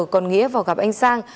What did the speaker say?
còn nghĩa vào gặp anh sang